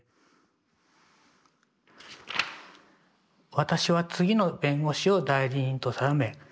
「私は次の弁護士を代理人と定め」。